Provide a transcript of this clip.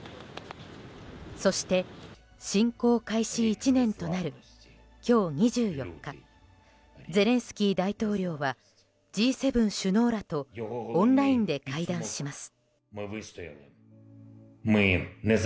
そして、侵攻開始１年となる今日２４日ゼレンスキー大統領はＧ７首脳らとオンラインで会談します。